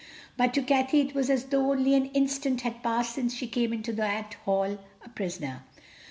But to Cathay it was as though only an instant had passed since she came into that hall, a prisoner.